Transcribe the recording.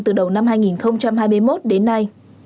từ đầu năm hai nghìn hai mươi một đến nay